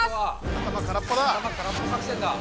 頭空っぽ作戦だ。